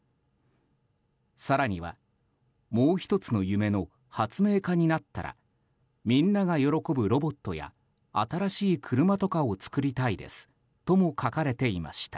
更には、もう１つの夢の発明家になったらみんなが喜ぶロボットや新しい車とかを作りたいですとも書かれていました。